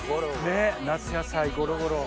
ねっ夏野菜ゴロゴロ。